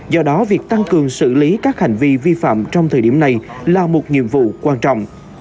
do đó việc tăng cường xử lý các hành vi vi phạm trong thời điểm này là một nhiệm vụ quan trọng